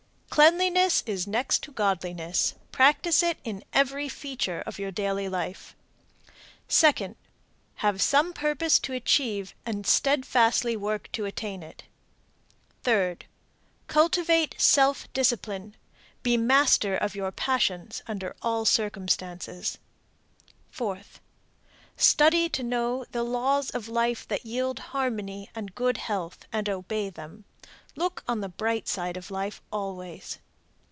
Cleanliness is next to godliness. Practice it in every feature of your daily life. Second. Have some purpose to achieve and steadfastly work to attain it. Third Cultivate self discipline; be master of your passions, under all circumstances. Fourth. Study to know the laws of life that yield harmony and good health and obey them. Look on the bright side of life always.